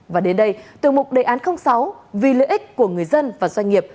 và đến đây tiêu mục đề án sáu vì lợi ích của người dân và doanh nghiệp